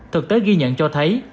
thực tế ghi nhận cho thấy